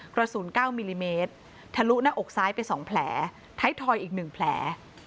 กระสุน๙มิลลิเมตรทะลุหน้าอกซ้ายไป๒แผลท้ายทอยอีก๑แผล